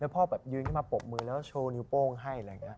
พ่อแบบยืนมาปบมือแล้วโชว์นิ้วโป้งให้